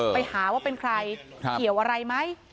ไปหาว่าเป็นใครเกี่ยวอะไรไหม